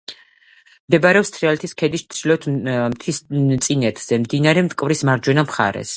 მდებარეობს თრიალეთის ქედის ჩრდილოეთ მთისწინეთზე, მდინარე მტკვრის მარჯვენა მხარეს.